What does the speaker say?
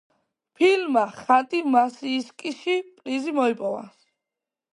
ფილმმა ხანტი-მანსიისკში პრიზი მოიპოვა.